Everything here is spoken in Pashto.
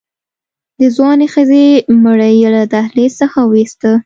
د ځوانې ښځې مړی يې له دهلېز څخه ووېسته.